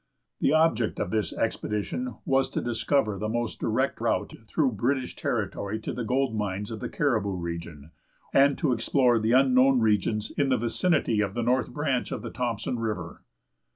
The object of this expedition was to discover the most direct route through British territory to the gold mines of the Caribou region, and to explore the unknown regions in the vicinity of the north branch of the Thompson River.